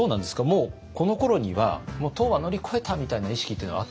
もうこのころにはもう唐は乗り越えたみたいな意識っていうのはあったんですか？